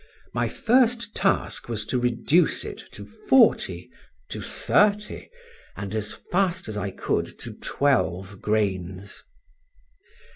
My first task was to reduce it to forty, to thirty, and as fast as I could to twelve grains.